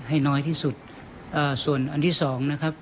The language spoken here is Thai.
ให้น้อยที่สุดอ่าส่วนอันที่สองนะครับ